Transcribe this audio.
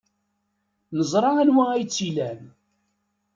Neẓra anwa ay tt-ilan.